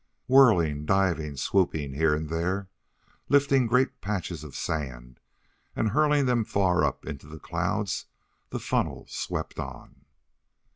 Whirling, diving, swooping here and there, lifting great patches of sand and hurling them far up into the clouds, the funnel swept on.